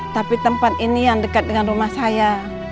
tapi tempat ini yang dekat dengan rumah saya